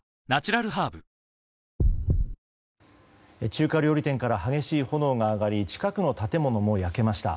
中華料理店から激しい炎が上がり近くの建物も焼けました。